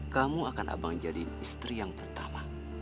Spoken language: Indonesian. kamu akan abang jadi istri yang pertama